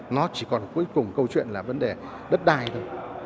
nó chỉ còn cuối cùng câu chuyện là vấn đề đất đai thôi